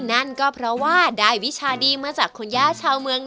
นั่นก็เพราะว่าได้วิชาดีมาจากคุณย่าชาวเมือง